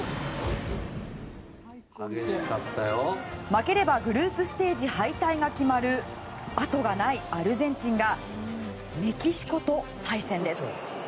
負ければグループステージ敗退が決まるあとがないアルゼンチンがメキシコと対戦です。